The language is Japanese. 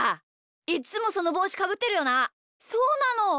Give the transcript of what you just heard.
いっつもそのぼうしかぶってるよな。